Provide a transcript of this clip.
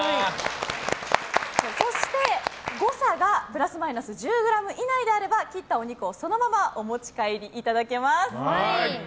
そして、誤差がプラスマイナス１０ｇ以内であれば切ったお肉をそのままお持ち帰りいただけます。